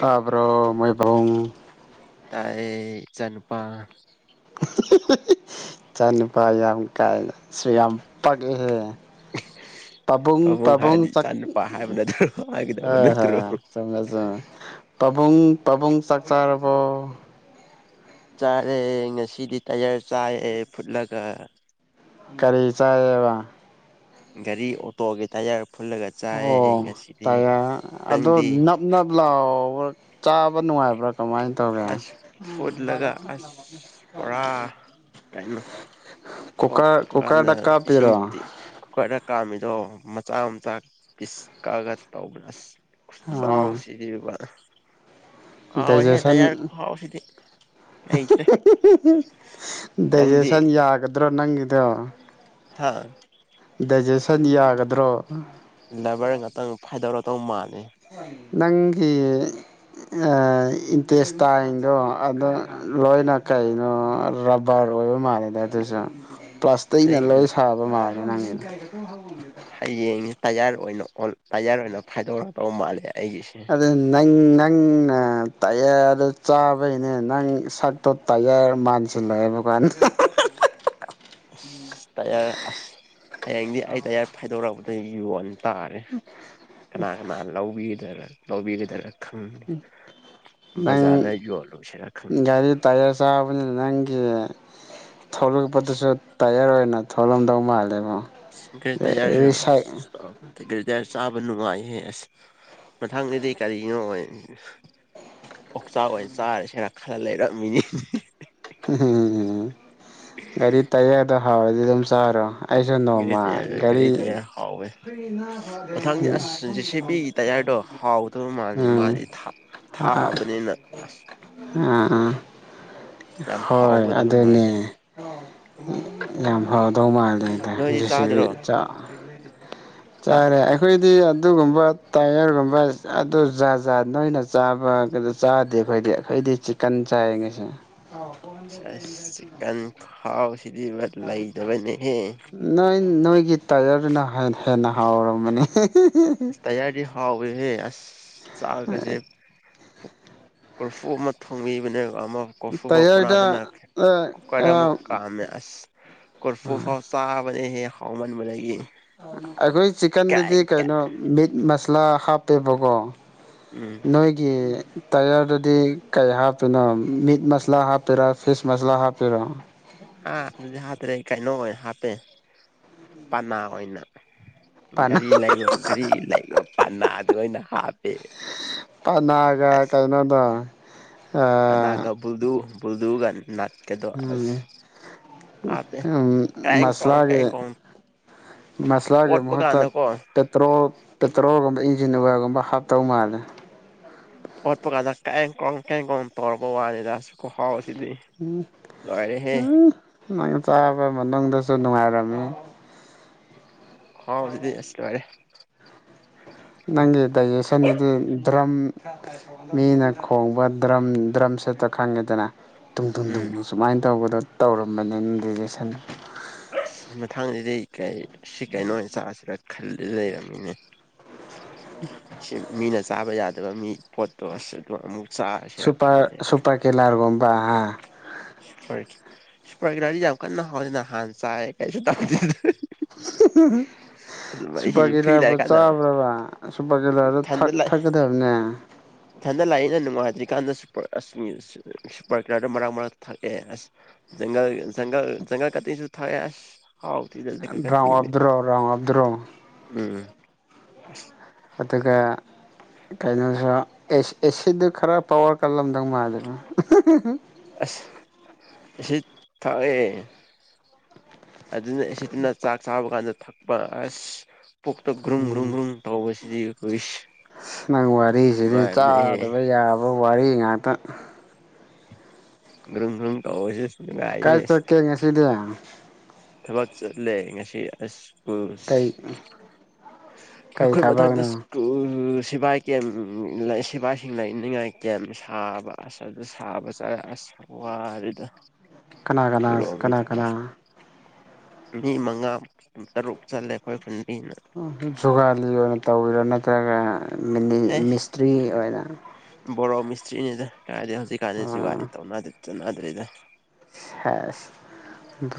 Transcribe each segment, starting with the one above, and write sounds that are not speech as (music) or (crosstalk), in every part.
ꯇꯥꯕ꯭ꯔꯣ ꯃꯣꯏꯕꯥꯎꯡ ꯇꯥꯏꯌꯦ ꯏꯆꯅꯨꯄꯥ ꯏꯆꯥ ꯅꯨꯨꯄꯥ ꯌꯥꯝ ꯀꯥꯏꯅ ꯁ꯭ꯔꯤ ꯌꯥꯝ ꯄꯛꯑꯦꯍꯦ (unintelligible) ꯄꯥꯕꯨꯡ ꯍꯥꯏꯔꯗꯤ ꯆꯥꯛ ꯏꯆꯥ ꯅꯨꯨꯄꯥ ꯍꯥꯏꯕ ꯅꯠꯇ꯭ꯔꯣ ꯍꯥꯏꯒꯗꯕ ꯍꯣꯏ ꯅꯠꯇ꯭ꯔꯣ ꯍꯣꯏ ꯆꯨꯝꯃꯦ ꯆꯨꯝꯃꯦ ꯄꯥꯕꯨꯡ ꯄꯥꯕꯨꯡ ꯆꯥꯛ ꯆꯥꯔꯕꯣ ꯆꯥꯔꯦ ꯉꯁꯤꯗꯤ ꯇꯌꯥꯔ ꯆꯥꯏꯑꯦ ꯐꯨꯠꯂꯒ ꯀꯔꯤ ꯆꯥꯏꯌꯦꯕ ꯒꯥꯔꯤ ꯑꯣꯇꯣꯒꯤ ꯇꯥꯌꯔ ꯐꯨꯜꯂꯒ ꯆꯥꯏꯌꯦ ꯑꯣ ꯉꯁꯤꯗꯤ ꯇꯌꯥ ꯑꯗꯣ ꯅꯪꯗꯤ ꯅꯞ ꯅꯞ ꯂꯥꯎꯕ ꯆꯥꯕ ꯅꯨꯡꯉꯥꯏꯕ꯭ꯔꯥ ꯀꯃꯥꯏꯅ ꯇꯧꯒꯦ ꯑꯁ ꯐꯨꯠꯂꯒ ꯑꯁ ꯄꯨꯔꯥ ꯀꯩꯅꯣ ꯀꯨꯀꯥꯔ ꯊꯣꯠꯄ ꯀꯨꯀꯥꯔꯗ ꯀꯥꯟꯗ ꯀꯥꯞꯄꯤꯔꯣ ꯑꯗꯣ ꯃꯆꯥ ꯃꯆꯥ ꯀꯤꯁ ꯀꯛꯑꯒ ꯇꯧꯕꯅ ꯑꯁ ꯆꯥꯎ ꯑ ꯁꯤꯗꯤꯕ ꯑꯥꯎ ꯍꯦꯊ‌ꯦ ꯇꯔ ꯍꯥꯎ ꯁꯤꯗꯤ꯫ ꯅꯪꯗꯤ ꯗꯏꯖꯦꯁꯟ ꯌꯥꯒꯗ꯭ꯔꯥ ꯅꯪꯒꯤꯗꯣ ꯍꯥꯥ ꯗꯥꯏꯖꯦꯁꯟ ꯌꯥꯒꯗ꯭ꯔꯣ ꯂꯦꯕꯔ ꯉꯥꯛꯇꯪ ꯐꯥꯏꯗꯧꯔꯗꯧ ꯃꯥꯜꯂꯦ ꯅꯪꯒꯤ ꯏꯟꯇꯦꯁꯇꯥꯏꯟꯗꯣ ꯑꯗ ꯂꯣꯏꯅ ꯀꯩꯅꯣ ꯔꯕꯔ ꯂꫭꯏꯕ ꯃꯥꯜꯂ‌ꯦꯗ ꯑꯗꯨꯁꯨ ꯄ꯭ꯂꯥꯁꯇꯤꯛꯅ ꯂꯣꯏ ꯑꯩꯅ ꯁꯥꯕ ꯃꯥꯂꯦ ꯅꯪꯒꯤꯗꯨ ꯍꯌꯦꯡꯁꯦ ꯇꯌꯥꯔ ꯑꯣꯏꯅ ꯑꯣ ꯇꯌꯥꯔ ꯑꯣꯏꯅ ꯐꯥꯏꯗꯣꯔꯛꯇꯧ ꯃꯥꯜꯂꯦ ꯑꯩꯒꯤꯁꯦ ꯑꯗ ꯅꯪ ꯅꯪꯅ ꯇꯌꯥꯔꯗꯨ ꯆꯥꯕꯩꯅꯦ ꯅꯪ ꯁꯔꯛꯇꯣ ꯇꯥꯏꯌꯥꯔ ꯃꯥꯟꯁꯤꯜꯂꯛꯑꯦꯕ (inaudible) ꯑꯁ ꯇꯌꯥꯔ ꯑꯁ ꯍꯌꯦꯡꯗꯤ ꯑꯩ ꯇꯌꯥꯔ ꯐꯥꯏꯗꯣꯔꯛꯄꯗ ꯌꯣꯟꯜ ꯇꯥꯔꯦ ꯀꯅꯥ ꯀꯅꯥ ꯂꯧꯕꯤꯗ ꯂꯧꯕꯤꯔꯤꯗꯅ ꯈꯪ ꯅꯪ ꯕꯖꯥꯔꯗ ꯌꯣꯜꯂꯨꯁꯤꯔ ꯈꯪꯗ‌ꯦ ꯑꯩꯈꯣꯏꯅ ꯅꯪꯒꯤ ꯊꯣꯛꯂꯛꯄꯗꯨꯁꯨ ꯇꯌꯥꯔ ꯑꯣꯏꯅ ꯊꯣꯛꯂꯝꯗꯧ ꯃꯥꯜꯂꯦꯕꯣ ꯑꯁ ꯔꯤꯁꯥꯏ ꯒꫪ‌ꯏꯌꯥꯔꯁꯨ ꯀ ꯇꯔꯁꯨ ꯆꯥꯕ ꯅꯨꯡꯉꯥꯏꯍ ꯑꯁ ꯃꯊꯪꯗꯗꯤ ꯀꯔꯤꯅꯣ ꯑꯣꯛꯆꯥꯛ ꯑꫭꯏꯅ ꯆꯥꯔꯦꯁꯤꫪ ꯈꯜ ꯂꯩꯔꯝꯃꯤꯅꯤ ꯎꯝꯝ ꯒꯥꯔꯤ ꯇꯥꯏꯌꯦꫪꯗꫭ ꯍꯥꯎꯔꯗꯤ ꯑꯗꯨꯝ ꯆꯥꯔꯣ ꯑꯩꯁꯨ ꯒꯥꯔꯤ ꯅꯣꯡꯃ ꯇꯌꯥꯔ ꯒꯥꯔꯤ ꯇꯌꯥꯔ ꯍꯥꯎꯋꯦ ꯃꯊꯪꯗꯤ ꯎꯝ ꯑꯁ ꯖꯦꯁꯤꯕꯤꯒꯤ ꯇꯌꯥꯔꯗꯣ ꯍꯥꯎꯗꯕ ꯃꯥꯜꯂꯤ ꯃꯥꯗꯤ ꯊꯥꯕꯅꯤꯅ ꯑꯁ ꯑꯥ ꯑꯥ ꯌꯥꯝ ꯍꯣꯏ ꯍꯥꯎꯒꯗꯕ ꯑꯗꯨꯅꯦ ꯃꯥꯜꯂꯦ ꯌꯥꯝ ꯍꯥꯎꯗꯧ ꯃꯥꯜꯂ ꯑꯗꯨ ꯅꯣꯏꯗꯤ ꯖꯤꯁꯤꯕꯤ ꯆꯥꯗ꯭ꯔꯣ ꯆꯥ ꯍꯥ ꯆꯥꯔꯦ ꯑꯩꯈꯣꯏꯗꯤ ꯑꯗꯨꯒꯨꯝꯕ ꯇꯥꯏꯌꯔꯒꯨꯝꯕ ꯑꯗꯨ ꯖꯥ ꯖꯥꯠ ꯅꯣꯏꯅ ꯆꯥꯕ ꯆꯥꯗꯦ ꯑꯩꯈꯣꯏꯗꯤ ꯗꯤ ꯆꯤꯛꯀꯟ ꯆꯥꯏꯌ‌ꯦ ꯉꯁꯤ ꯑꯁ ꯆꯤꯀꯟ ꯈꯥꯎ ꯁꯤꯗꯤ ꯂꯩꯇꯕꯅꯤꯍꯦ ꯅꯣꯏ ꯅꯣꯏꯒꯤ ꯇꯥꯏꯌꯔꯗꯨꯅ ꯍꯦꯟꯅ ꯍꯥꯎꯔꯝꯕꯅꯤ ꯑ ꯇꯌꯥꯔꯤ ꯍꯥꯎꯋꯦꯍꯦ ꯑꯁ ꯆꯥꯛ ꯀꯁꯦ ꯀꫪꯐꯨ ꯑꯃ ꯊꯣꯡꯕꯤꯕꯅꯦꯕ ꯑꯃ ꯀꯐꯨꯕ ꯇꯥꯏꯌꯔꯗ ꯀꯅꯥꯗꯅ ꯀꯨꯀꯔ ꯑꯃꯨ ꯀꯥꯝꯃ‌ꯦ ꯑꯁ ꯀꯣꯔꯐꯨ ꯐꯥꯎ ꯆꯥꯕꯅꯥꯍꯦ ꯍꯥꯎꯃꯟ ꯕꯗꯒꯤ ꯑꯩꯈꯣꯏ ꯆꯤꯛꯀꯟꯗꯨꯗꯤ ꯑꯃꯁꯨꯡ ꯃꯔꯝ ꯀꯩꯅꯣ ꯃꯤꯠ ꯃꯁꯂꯥ ꯍꯥꯞꯄꯦꯕꯀꯣ ꯎꯝ ꯅꯣꯏꯒꯤ ꯇꯌꯥꯔꯗꯗꯤ ꯀꯩ ꯍꯥꯞꯇꯣꯏꯅꯣ ꯃꯤꯠ ꯃꯁꯂꯥ ꯍꯥꯞꯄꯤꯔ ꯐꯤꯁ ꯃꯁꯂꯥ ꯍꯥꯞꯄꯤꯔ ꯇꯦ ꯄꯅꯥ ꯑꯣꯏꯅ ꯄꯅꯥ ꯒꯥꯔꯤ ꯂꯩꯕ ꯒꯥꯔꯤ ꯂꯩꯕ ꯄꯅꯥꯗꫭ ꯑꯣꯏꯅ ꯍꯥꯞ ꯄꯅꯥꯒ ꯀꯩꯅꯣꯗꫭ ꯄꯅꯥꯒ ꯕꯨꯜꯗꯨ ꯕꯨꯜꯗꯨꯒꯅꯥ ꯍꯥꯞꯄꯦ ꯑꯝ-ꯑꯝ ꯀ꯭ꯔꯦꯡ ꯀ꯭ꯔꯣꯡ ꯃꯁꯂꯒꯤ ꯀ꯭ꯔꯦꯡ ꯀ꯭ꯔꯣꯡ ꯃꯁꯂꯒꯤ ꯑꯣꯠꯄ ꯃꯍꯠꯇ ꯀꯥꯟꯗꯀꯣ ꯄꯇ꯭ꯔ ꯄꯦꯇ꯭ꯔꯣ ꯏ ꯖꯤꯟ ꯅꫪꯥꯒꯨꯝꯕ ꯍꯥꯞꯇꯧ ꯃꯥꯜꯂꯦ ꯑꯣꯠꯄꯒꯇꫭ ꯀꯦꯡ ꯀꯣꯡ ꯀ‌ꯦꯡꯀꯣ ꯇꯧꯔꯛꯑꫭ ꯍꯥꯖꯔ ꯑꯁ ꯈꯨꯍꯥꯎꯁ ꯎꯝ ꯎꯝꯪ ꯆꯥꯕ ꯃꯗꯁꯨ ꯅꯨꯡꯉꯥꯏꯔꯝꯃꯤ ꯍꯥꯎ ꯁꯤꯗ ꯑꯁ ꯂꫭꯏꫪ‌ꯦ ꯅꯪꯒꯤ ꯗꯥꯏꯖꯦꯁꯟꯗꯨꯗꯤ ꯗ꯭ꯔꯝ ꯃꯤꯅ ꯈꯣꯡꯕ ꯗ꯭ꯔꯝ ꯗ꯭ꯔꯝ ꯁꯠꯇꫭ ꯈꯪꯉꯤꯗꯅ ꯇꯨꯡ-ꯗꯨꯡ-ꯗꯨꯡ ꯎꯝ ꯁꯨꯃꯥꯏꯅ ꯇꯧꯕꯗꯣ ꯇꯧꯔꯝꯃꯅꯤꯅ ꯗꯥꯖꯁꯟ ꯑꯁ ꯃꯊꯪꯁꯤꯗꯤ ꯀꯩ ꯁꯤ ꯀꯩꯅꯣ ꯑꯣꯏꯅ ꯆꯥꯁꯤꯔ ꯈꯜꯂ ꯂꯩꯔꯝꯃꯤꯅꯦ ꯁꯤ ꯃꯤꯅ ꯆꯥꯕ ꯌꯥꯗ ꯃꯤ ꯄꯣꯠꯇ ꯑꯁꯦ ꯑꯃꯨꯛ ꯆꯥꯔꯁꯤꯔ ꯁꯨꯄꯔ ꯈꯜꯂꯦ ꯁꯨꯄꯔ ꯀꯤꯂꯔꯒꯝꯕ ꯑ ꯁꯨꯄ꯭ꯔꯒ꯭ꯔꯥꯗꯤ ꯌꯥꯝ ꯀꯟꯅ ꯍꯅꯤꯅ ꯍꯥꯟꯅ ꯆꯥꯏ ꯀꯩꯁꯨ ꯇꯧꯗ ꯍꯤꯍꯤꯍꯤ (inaudible) ꯁꯨꯄ ꯑꯩ ꯐ꯭ꯔꯤ ꯀꯂꯥꯕꯨ ꯂꯥꯛꯏꯀꯥꯟꯗ ꯆꯥꯕ꯭ꯔꯕ ꯁꯨꯄ ꯀꯂꯥꯗ ꯏꯊꯟꯗ ꯊꯛ ꯂꯥꯛ ꯊꯛꯀꯗꯕꯅꯦ ꯏꯊꯟꯗ ꯂꯥꯛꯏꯅ ꯅꯨꯡꯉꯥꯏꯇ꯭ꯔꯤꯀꯥꯟꯗ ꯁꯨꯄꯔ ꯑꯁ ꯁꯨꯄꯔ ꯀꯤꯂꯔꯗꯣ ꯃꯔꯛ ꯃꯔꯛ ꯊꯥꯛꯑꯦ ꯑꯁ ꯪꯜ ꯪ ꯪꯒꯜ ꯀꯁꯨ ꯊ ꯔꯝ ꯑꯕꯗꯨ ꯔꯣ ꯔꯝ ꯑꯕꯗꯨ ꯔꯣ ꯎꯝ ꯑꯁ ꯑꯗꯨꯒ ꯀꯩꯅꯣꯁꯨ ꯑꯦꯁꯤꯗꯨ ꯈꯔ ꯄꯋꯥꯔ ꯀꯜꯂꯝꯗꯧ ꯃꯥꯜꯜꯂꯤꯕ ꯏ ꯊꯥꯛꯑꯦ ꯑꯗꯨꯅ ꯁꯤꯠꯇꯅ ꯆꯥꯛ ꯆꯥꯕ ꯀꯥꯟꯗ ꯊꯛꯄ ꯑꯁ ꯄꯨꯛꯇ ꯒ꯭ꯔꯨꯝ ꯒ꯭ꯔꯨꯝ ꯒ꯭ꯔꯨꯝ ꯇꯧꯕꯁꯦ ꯁꯤꯈ ꯑꯁ ꯅꯪ ꯋꯥꯔꯤꯁꯤꯗꯤ ꯆꯥꯗꯕ ꯌꯥꯕ ꯋꯥꯔꯤ ꯉꯥꯛꯇ ꯭ꯕꯔꯝ ꯕ꯭ꯔꯨꯝ ꯇ ꯍꯧꯁ ꯀꯥꯏ ꯇ ꯀꯦꯉꯥꯁꯤꯗꯦ ꯊꯕꯛ ꯆꯠꯂꯦ ꯉꯁꯤꯁ ꯑꯁ ꯎ ꯀꯩ ꯀꯩ ꯑꯩꯈꯣꯏ ꯃꯊꯛꯇ ꯊꯕꯛꯅꯣ ꯁꯤꯕꯥꯏ ꯀꯦꯝ ꯁꯤꯕꯥꯏꯁꯤꯡ ꯂꯩꯅꯤꯡꯉꯥꯏ ꯀꯦꯝ ꯁꯥꯕ ꯑꯁ ꯑꯗꯨ ꯁꯥꯕ ꯆ ꯑꯁ ꯋꯥ ꯔꯦꯗ ꯀꯅꯥ ꯀꯅꯥ ꯀꯅꯥ ꯀꯅꯥ ꯃꯤ ꯃꯉꯥ ꯇꯔꯨꯛ ꯆꯠꯂꯦ ꯑꯩꯈꯣꯏꯟ ꯖꯨꯒꯥꯂꯤ ꯑꯣꯏꯅ ꯇꯧꯕꯋꯔꯣ ꯅꯠꯇ꯭ꯔꯒ ꯑꯦ ꯃꯤꯁꯇ꯭ꯔꯤ ꯑꯣꯏꯅ ꯑꯣꯏꯅ ꯕꯣꯔꯣ ꯃꯤꯁꯇ꯭ꯔꯤꯅꯤꯗ ꯀꯗꯗꯤ ꯍꯧꯖꯤꯛꯀꯥꯟꯗꯤ ꯖꯨꯒꯥꯔꯤ ꯇꯧ ꯆꯠꯅꯗ꯭ꯔꯔꯤꯗ ꯍ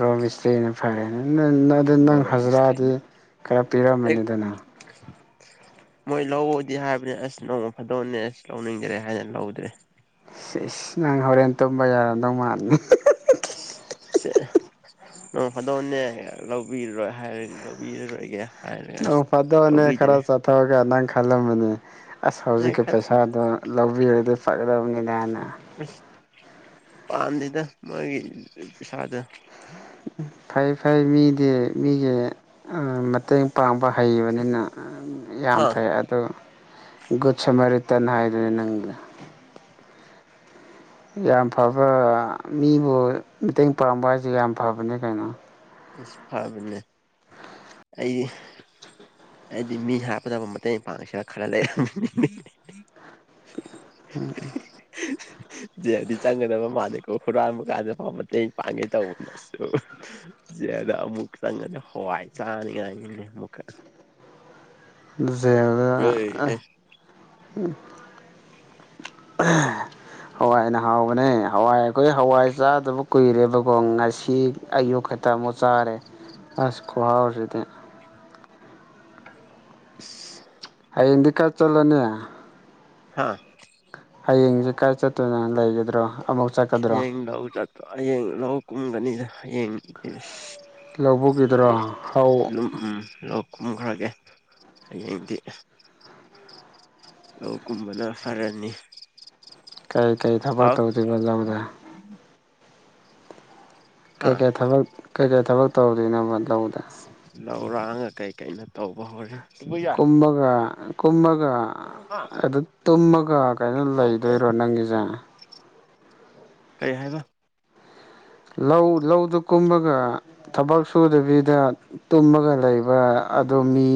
꯭ꯔꯣꯃꯤꯁꯇ꯭ꯔꯤꯅꯦ ꯐꯔꯦꯅ ꯑꯗꯨ ꯅꯪ ꯕꯣꯔꯣ ꯍꯖꯤꯔꯥꯗꯤ ꯃꯤꯁꯇ꯭ꯔꯤꯅꯤ ꯈꯔ ꯑꯦ ꯄꯤꯔꯝꯃꯅꯤꯗꯅ ꯃꯣꯏ ꯂꯧꯕꯗꯤ ꯍꯥꯏꯕꯅꯤ ꯑꯁ ꯅꯣꯡꯃ ꯐꯥꯗꯣꯛꯅꯦ ꯑꯁ ꯂꯧꯅꯤꯡꯗ꯭ꯔꯦ ꯍꯥꯏꯅ ꯂꯧꯗ꯭ꯔꯦ ꯏꯁ ꯅꯪ ꯍꯣꯔꯦꯟ ꯇꯨꯝꯕ ꯌꯥꯔꯗꯧ ꯃꯥꯅꯤ ꯅ ꯐꯗꯧꯅꯦ ꯂꯧꯕꯤꯔꯔꯣꯏ ꯍꯥꯏꯔ ꯂꯧꯕꯤꯔꯔꯣꯏꯒꯦ ꯍꯥꯏꯔꯒ ꯅꯪ ꯑꯁ ꯐꯥꯗꯑꯅꯦ ꯈꯔ ꯂꯧꯕꯤꯗ꯭ꯔꯦ ꯆꯠꯊꯣꯛꯑꯒ ꯅꯪ ꯈꯜꯂꯝꯃꯤꯅꯦ ꯑꯁ ꯅꯣꯏ ꯍꯧꯖꯤꯛꯀꯤ ꯈꯠ ꯄꯩꯁꯥꯗꯣ ꯂꯧꯕꯤꯔꯗꯤ ꯐꯒꯗꯕꯅꯤꯅꯅ ꯑꯁ ꯄꯥꯝꯁꯤꯗ ꯃꯥꯣꯏꯒꯤ ꯄꯩꯁꯥꯗ ꯐꯩ ꯐꯩ ꯃꯤꯗꯤ ꯃꯤꯒꯤ ꯃꯇꯦꯡ ꯄꯥꯡꯕ ꯍꯩꯕꯅꯤꯅ ꯌꯥꯝ ꯑꯥ ꯐꯩ ꯑꯗꯨ ꯨꯨꯞ ꯁꯃꯥꯏꯔꯤ ꯇꯥꯟ ꯍꯥꯏꯗꯨꯦ ꯅꯪꯒꯤ ꯌꯥꯝ ꯐꯕ ꯃꯤꯕꯨ ꯃꯇꯦꯡ ꯄꯥꯡꯕ ꯍꯥꯏꯁꯦ ꯌꯥꯝ ꯐꯕꯅꯦ ꯀꯩꯅꯣ ꯑꯁ ꯐꯕꯅꯦ ꯑꯩ ꯑꯩꯗꯤ ꯃꯤ ꯍꯥꯞꯄꯗꯕ ꯃꯇꯦꯡ ꯄꯥꯡꯁꯤꯔ ꯈꯔ ꯂꯩꯔ ꯎ ꯑꯗꯨꯗꯤ ꯆꯪꯒꯗꯕ ꯃꯥꯥꯟꯅꯀꯣ ꯍꯨꯔꯥꯟꯕ ꯀꯥꯟꯗ ꯃꯇꯦꯡ ꯄꯥꯡꯒꯦ ꯇꯧꯕꯅꯁꯨ ꯌꯥꯗꯥ ꯑꯃꯨꯛ ꯆꯪꯒ ꯍꯋꯥꯏ ꯆꯅꯤꯉꯅꯦ ꯃꯨꯀ ꯁ (unintelligible) (unintelligible) ꯍꯋꯥꯏꯅ ꯍꯥꯎꯕꯅꯦ ꯍꯋꯥꯏ ꯑꯩꯈꯣꯏ ꯍꯋꯥꯏ ꯆꯥꯗꯕ ꯀꯨꯏꯔꯦꯕꯀꯣ ꯉꯁꯤ ꯑꯌꯨꯛ ꯈꯛꯇꯪ ꯃꯨ ꯆꯥꯔꯦ ꯑꯁ ꯈꯍꯥꯎꯁꯤꯗꯤ (unintelligible) (inaudible) ꯍꯥꯌꯦꯡꯗꯤꯀꯥ ꯆꯠꯂꯅꯤ ꯍꯥꯥ ꯍꯌꯦꯡꯁꯦ ꯀꯥꯏ ꯆꯠꯇꯣꯏꯅ ꯂꯩꯒꯗ꯭ꯔꯣ ꯑꯃꯨꯛ ꯆꯠꯀꯗ꯭ꯔꯣ ꯍꯌꯦꯡ ꯂꯧ ꯆꯠꯄ ꯍꯌꯦꯡ ꯂꯧ ꯀꯨꯝꯒꯅꯤꯗ ꯍꯌꯦꯡ ꯂꯧꯕꯨꯛꯀꯤꯗꯣꯔꯣ ꯍꯧ ꯑꯗꯨꯝ ꯎꯝ ꯂꯧ ꯀꯨꯝꯈ꯭ꯔꯒꯦ ꯍꯌꯦꯡꯗꯤ ꯂꯧ ꯀꯨꯝꯕꯅ ꯐꯔꯅꯤ ꯀꯩ ꯀꯩ ꯊꯕꯛ ꯍꯥꯎ ꯇꯧꯗꯨꯏꯅꯣ (inaudible) ꯍꯥ ꯀꯩꯀꯩ ꯊꯕꯛ ꯀꯩꯀꯩ ꯊꯕꯛ ꯇꯧꯗꯣꯏꯅꯣꯕ ꯂꯧꯗ ꯂꯧꯔꯥꯡꯒ ꯀꯩꯀꯩꯅꯣ ꯇꯧꯕ ꯍꯧꯔꯦ ꯀꯨꯝꯕꯒ ꯀꯨꯝꯃꯒ ꯍꯥ ꯑꯗꯨ ꯇꯨꯝꯃꯒ ꯀꯩꯅꯣ ꯌꯥꯎꯗꯦ ꯂꯩꯗꯣꯏꯔꯣ ꯅꯪꯒꯤꯁꯦ ꯀꯩ ꯍꯥꯏꯕ ꯂꯧ ꯂꯧꯗꯨ ꯀꯨꯝꯃꯒ ꯊꯕꯛ ꯁꯨꯗꯕꯤꯗ ꯇꯨꯝꯃꯒ ꯂꯩꯕ ꯑꯗꯨ ꯃꯤ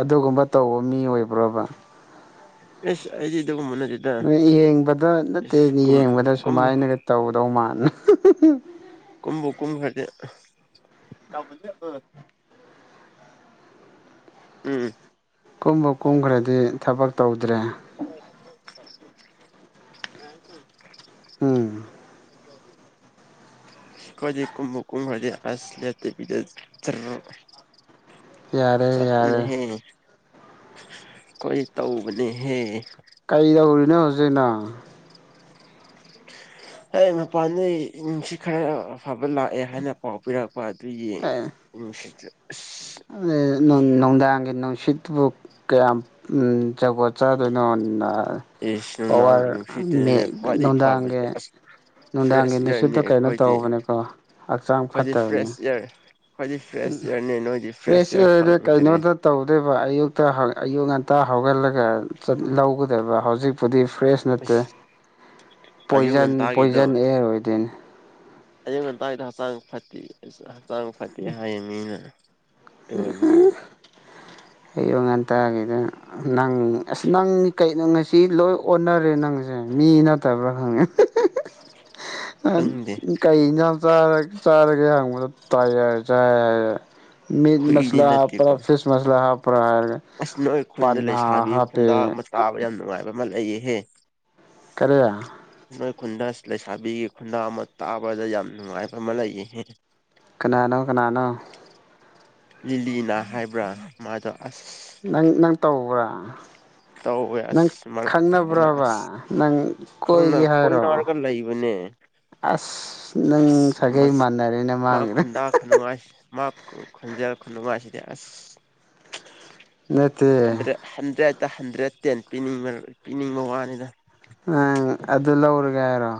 ꯑꯗꯨꯒꯨꯝꯕ ꯇꯧꯕ ꯃꯤ ꯑꯣꯏꯕ꯭ꯔꯕ ꯏꯁ ꯑꯩꯗꯤ ꯑꯗꯨꯒꯨꯝꯕ ꯅꯠꯇꯦꯗ ꯅꯣꯏ ꯌꯦꯡꯕꯗ ꯅꯠꯇꯦ ꯏꯁ ꯀꯨꯝ ꯌꯦꯡꯕꯗ ꯀꯨꯝꯕꯨ ꯁꯨꯃꯥꯏꯅꯒ ꯇꯧꯗꯧ ꯃꯥꯟ ꯅꯕꯅꯕꯕꯅꯕ ꯀꯨꯝꯕꯨ ꯀꯨꯝꯈ꯭ꯔꯗꯤ (unintelligible) ꯎꯝ ꯀꯨꯝꯕꯨ ꯀꯨꯝꯈ꯭ꯔꯗꯤ ꯊꯕꯛ ꯇꯧꯗ꯭ꯔꯦ (inaudible) ꯎꯝ (unintelligible) ꯈꯣꯏꯗꯤ ꯀꯨꯝꯕꯨ ꯀꯨꯝꯈ꯭ꯔꯗꯤ ꯑꯁ ꯂꯦꯞꯇꯕꯤꯗ ꯖꯔ ꯌꯥꯔꯦ ꯌꯥꯔꯦ ꯆꯠꯄꯅꯦꯍꯦ ꯈꯣꯏ ꯇꯧꯕꯅꯦꯍꯦ (unintelligible) ꯑꯦ ꯃꯄꯥꯟꯗꯩ ꯅꯨꯡꯁꯤꯠ ꯈꯔ ꯑꯐꯕ ꯂꯥꯛꯑꯦ ꯍꯥꯏꯅ ꯄꯥꯎ ꯄꯤꯔꯛꯄ (inaudible) ꯄ ꯑꯗꯨꯒꯤ ꯑꯦ ꯅꯨꯡꯁꯤꯠꯁꯦ ꯑꯁ ꯅꯨꯡꯗꯥꯡꯒꯤ ꯅꯨꯡꯁꯤꯠ ꯑꯗꯨꯕꯨ ꯀꯌꯥꯝ ꯖꯨꯒꯣꯠ ꯆꯥꯗꯣꯏꯅꯣ ꯑꯦꯁ ꯅꯨꯡꯗꯥꯡꯒꯤ ꯄꯋꯥꯔ ꯃꯦ ꯅꯨꯡꯁꯤꯠꯇꯨꯅꯤꯅꯦ ꯈ꯭ꯋꯥꯏꯗꯒꯤ ꯅꯨꯡꯗꯥꯡꯒꯤ ꯐꯕꯁꯦ ꯑꯁ ꯅꯨꯡꯗꯥꯡꯒꯤ ꯐ꯭ꯔꯦꯁ ꯏꯌꯥꯔꯅꯤ ꯅꯨꯡꯁꯤꯠꯇꯣ ꯀꯩꯅꯣ ꯑꯩꯈꯣꯏꯗꯤ ꯇꯧꯕꯅꯦꯀꯣ ꯍꯛꯆꯥꯡ ꯑꯩꯈꯣꯏꯗꯤ ꯐꯠꯇꯕꯅꯦ ꯐ꯭ꯔꯦꯁ ꯏꯌꯥꯔ ꯑꯩꯈꯣꯏꯗꯤ ꯐ꯭ꯔꯦꯁ ꯎꯝ ꯏꯌꯥꯔꯅꯦ ꯅꯣꯏꯗꯤ ꯐ꯭ꯔꯦꯁ ꯏꯌꯥꯔ ꯑꯦꯔ ꯐꯪꯗ꯭ꯔꯦ ꯀꯩꯅꯣꯗ ꯇꯧꯗꯨꯏꯕ ꯑꯌꯨꯛꯇ ꯍꯥ ꯑꯌꯨꯛ ꯉꯟꯇꯥ ꯍꯧꯒꯠꯂꯒ ꯆꯠ ꯂꯧꯒꯗꯕ ꯍꯧꯖꯤꯛꯄꯨꯗꯤ ꯐ꯭ꯔꯦꯁ ꯅꯠꯇꯦ ꯑꯁ ꯑꯌꯨꯛ ꯄꯣꯏꯖꯟ ꯉꯟꯇꯥꯒꯤꯗꯣ ꯄꯣꯏꯖꯟ ꯑꯦꯌꯥꯔ ꯑꯣꯏꯗꯣꯏꯅꯦ ꯑꯌꯨꯛ ꯉꯟꯇꯥꯥꯒꯤꯗꯣ ꯍꯛꯆꯥꯡ ꯐꯠꯇꯦ ꯍꯛꯆꯥꯡ ꯐꯠꯇꯦ ꯍꯥꯏꯌꯦ ꯃꯤꯅ ꯑꯗꯨ ꯑꯣꯏꯕꯒꯤ (unintelligible) ꯇꯥꯒꯤꯗꯤ ꯅꯪ ꯑꯁ ꯅꯪ ꯀꯩꯅꯣ ꯉꯁꯤ ꯂꯣꯏ ꯑꯣꯟꯅꯔꯦ ꯅꯪꯁꯦ ꯃꯤ ꯅꯠꯇꯕ (unintelligible) ꯈꯪꯗꯦ ꯀꯩ ꯏꯟꯖꯥꯡ ꯆꯥꯔ ꯆꯥꯔꯒꯦ ꯍꯪꯕ (unintelligible) ꯆꯥꯏ ꯍꯥꯏꯌꯦ ꯃꯤꯠ ꯍꯨꯏꯗꯤ ꯃꯁꯂꯥ ꯅꯠꯇꯦꯀꯣ ꯍꯥꯞꯄꯔꯥ ꯐꯤꯁ ꯃꯁꯂꯥ ꯍꯥꯞꯄꯔꯥ ꯍꯥꯏ ꯑꯁ ꯅꯣꯏ ꯈꯨꯟꯗ ꯂꯩꯁꯥꯕꯤ ꯈꯨꯟꯗꯥ ꯑꯃ ꯇꯥꯕ ꯌꯥꯝ ꯅꯨꯡꯉꯥꯏꯕ ꯑꯃ ꯂꯩꯌꯦꯍꯦ ꯀꯔꯤ ꯅꯣꯏ ꯈꯨꯟꯗ ꯂꯩꯁꯥꯕꯤꯒꯤ ꯈꯨꯟꯗꯥ ꯑꯃ ꯇꯥꯕꯗ ꯌꯥꯝ ꯅꯨꯡꯉꯥꯏꯕ ꯑꯃ ꯂꯩꯌꯦꯍꯦ ꯀꯅꯥꯅꯣ ꯀꯅꯥꯅꯣ ꯂꯤꯂꯤꯅꯥ ꯍꯥꯏꯕ꯭ꯔꯥ ꯃꯥꯗꯣ ꯑꯁ ꯅꯪ ꯅꯪ ꯇꯧꯕ꯭ꯔꯥ ꯇꯧꯋꯦ ꯅꯪ ꯑꯁ ꯃꯔꯛ ꯑꯃ ꯑꯁ ꯈꯪꯅꯕ꯭ꯔꯕ ꯅꯪ ꯈꯪꯅ ꯀꯣꯏꯒꯦ ꯍꯥꯏꯔꯣ ꯀꯣꯏꯅꯔꯒ ꯂꯩꯕꯅꯦ (unintelligible) ꯑꯁ ꯅꯪ ꯑꯁ ꯁꯥꯒꯩ ꯃꯁ ꯃꯥꯟꯅꯔꯦꯅꯦ ꯃꯥ ꯃꯥꯥꯒ ꯈꯨꯉꯁꯤꯗꯤ ꯑꯁ ꯅꯠꯇꯦ ꯍꯟꯗ꯭ꯔꯦ ꯍꯟꯗ꯭ꯔꯦꯠ ꯗ ꯍꯟꯗ꯭ꯔꯦꯠ ꯇꯦꯟ ꯄꯤꯅꯤꯡꯕ ꯄꯤꯅꯤꯡꯕ ꯋꯥꯅꯤꯅ ꯑꯪ ꯑꯗꯨ ꯂꯧꯔꯒꯦ ꯍꯥꯏꯔꯣ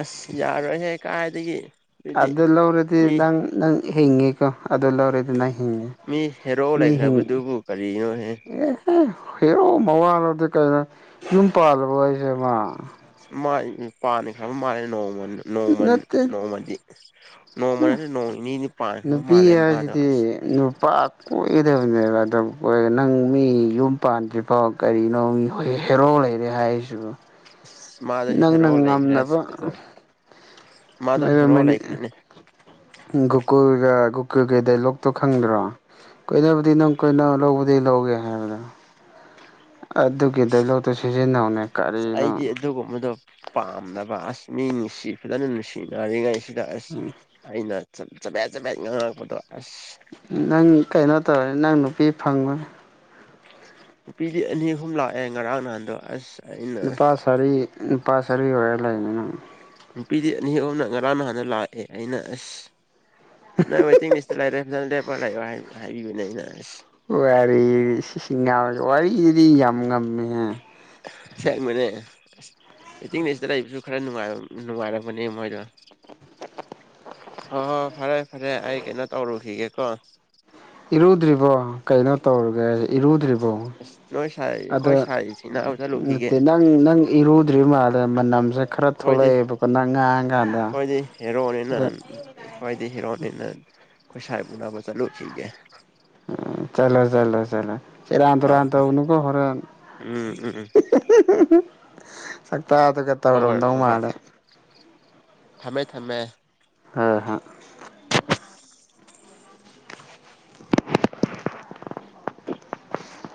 ꯑꯁ ꯌꯥꯔꯣꯏꯍꯦ ꯀꯥꯏꯗꯒꯤ ꯑꯗꯨꯗꯤ ꯑꯗ ꯂꯧ ꯂꯧꯔꯗꯤ ꯃꯤ ꯅꯪ ꯅꯪ ꯍꯦꯉꯦꯀ ꯑꯗꯨ ꯂꯧꯔꯦꯗꯨꯅ ꯍꯤꯡꯉꯤ ꯃꯤ ꯍꯦꯔꯣ ꯃꯤ ꯍꯤꯡꯉ ꯂꯩꯈ꯭ꯔꯕꯗꯨꯕꯨ ꯀꯔꯤꯅꯣꯍꯦ ꯑꯦꯍ ꯍꯔꯣ ꯃꯋꯥꯂꯗꯤ ꯀꯩꯅꯣ ꯌꯨꯝ ꯄꯥꯜꯂꯕ ꯍꯥꯏꯁꯦꯃ ꯃꯥꯥꯏ ꯄꯥꯅꯤ ꯈꯕ ꯃꯥ ꯅꯣꯡꯃ ꯅꯣꯡꯃ ꯅꯠꯇꯦ ꯅꯣꯡꯃꯗꯤ ꯅꯧ ꯃꯅ ꯅꯧ ꯏꯅꯤ ꯄꯕ ꯃꯥꯜ ꯃꯥꯗ ꯀꯣꯏꯗꯕꯅꯦꯕ ꯅꯪ ꯃꯤ ꯌꯨꯝ ꯄꯥꯟꯗ꯭ꯔꯤꯐꯥꯎ ꯀꯔꯤꯅꯣ ꯃꯤ ꯍ ꯍꯥꯏꯦꯔꯣ ꯔꯤ ꯍꯥꯏꯁꯨ ꯃꯥꯗ ꯐꯔꯣ ꯂꯩꯈ꯭ꯔꯦ ꯐꯖ ꯃꯥꯗ ꯔꯣ ꯂꯩꯥꯏꯈꯥꯏꯅꯦ ꯒꯨꯀꯨꯜꯒ ꯒꯨꯀꯨꯜꯒ ꯗꯥꯏꯂꯣꯛꯇꯣ ꯈꯪꯗ꯭ꯔꯣ ꯀꯣꯏꯕꯨꯗꯤ ꯅꯪ ꯀꯣꯏꯅ ꯂꯧꯕꯗꯤ ꯂꯧꯒꯦ ꯍꯥꯏꯕꯗ ꯑꯗꯨꯒꯤ ꯂꯣꯇꯨ ꯁꯤꯖꯤꯟꯅꯧꯅꯦ ꯑꯁ ꯀꯔꯤꯅꯣ ꯑꯩꯗꯤ ꯑꯗꯨꯒꯨꯝꯕꯗꯣ ꯄꯥꯝꯅꯕ ꯑꯁ ꯃꯤ ꯅꯨꯡꯁꯤ ꯐꯖꯅ ꯅꯨꯡꯁꯤꯅꯔꯤꯉꯩ ꯁꯤꯗ ꯑꯁ ꯑꯩꯅ ꯆꯄꯦꯠ ꯆꯄꯠ ꯉꯥꯡꯉꯛꯄꯗꯣ ꯑꯁ ꯅꯪ ꯀꯩꯅꯣ ꯇꯧꯔꯦ ꯅꯪ ꯅꯨꯄꯤ ꯐꯪꯕꯅꯤ ꯅꯨꯄꯤꯗꯤ ꯑꯅꯤ ꯑꯍꯨꯝ ꯂꯥꯛꯑꯦ ꯉꯔꯥꯡ ꯅꯍꯥꯟꯗꯣ ꯑꯁ ꯑꯩꯅ ꯅꯨꯄꯥ ꯁꯔꯤ ꯅꯨꯄꯥ ꯁꯔꯤ ꯑꯣꯏꯔ ꯂꯩꯅꯤꯅꯪ ꯅꯨꯄꯤꯗꯤ ꯑꯅꯤ ꯑꯍꯨꯝꯅ ꯉꯔꯥꯡ ꯅꯍꯥꯟꯅ ꯂꯥꯛꯑꯦ ꯑꯩꯅ ꯑꯁ ꯅꯪ ꯋꯦꯇꯤꯡ ꯂꯤꯁꯇ ꯂꯩꯔꯦ ꯐꯖꯅ ꯂꯦꯞꯄ ꯂꯩꯑꯣ ꯍꯥꯏꯕꯤꯕꯅꯦ ꯑꯩꯅ ꯑꯁ ꯋꯥꯔꯔꯤ ꯋꯥꯔꯤ ꯏꯔꯤ ꯌꯥꯝ ꯉꯝꯃꯦ ꯑ ꯃꯅꯦ ꯑꯁ ꯃꯤꯇꯤꯡꯅꯦꯁꯤꯇ ꯂꯩꯕꯁꯨ ꯈꯔ ꯅꯨꯡꯉꯥꯏꯔꯕꯅꯦ ꯃꯣꯏꯗꯣ ꯍꯣꯏ ꯍꯣꯏ ꯐꯔꯦ ꯐꯔꯦ ꯑꯩ ꯀꯩꯅꯣ ꯇꯧꯔꯨꯈꯤꯒꯦꯀꯣ ꯏꯔꯨꯗ꯭ꯔꯤꯕꯣ ꯀꯩꯅꯣ ꯇꯧꯔꯒꯦ ꯏꯔꯨꯗ꯭ꯔꯤꯕꯣ ꯑꯣ ꯑꯁ ꯅꯣꯏ ꯁꯥꯏ ꯑꯗꯣ ꯑꯩꯈꯣꯏ ꯁꯥꯏ ꯁꯤꯅꯥꯕ ꯆꯠꯂꯨꯈꯤꯒꯦ ꯅꯠꯇꯦ ꯅꯪ ꯅꯪ ꯏꯔꯨꯗ꯭ꯔꯤ ꯃꯥꯜ ꯃ ꯅꯝꯁ ꯑꯩꯈꯣꯏꯗꯤ ꯑꯩꯈꯣꯏꯗꯤ ꯍꯦꯔꯣꯅꯤꯅ ꯑꯗ ꯈꯈꯣꯏꯗꯤ ꯍꯦꯔꯣꯅꯤꯅ ꯑꯩꯈꯣꯏꯁꯥꯏ ꯎꯅꯕ ꯆꯠꯂꯨ ꯁꯤꯒꯦ ꯆꯂꯣ ꯆꯂꯣ ꯆꯂꯣ ꯔꯥꯟ ꯇ ꯍꯣꯏ ꯔꯥꯟ ꯇ ꯍꯣꯏ ꯎꯀꯣ ꯍꯔꯦꯟ ꯎꯝ ꯎꯝ ꯎꯝ ꯇꯥꯗꯒ ꯇꯧꯔꯝꯗꯧ ꯃꯥꯜꯂꯦ ꯊꯃꯦ ꯊꯝꯃꯦ ꯑ ꯍꯣꯏ (unintelligible)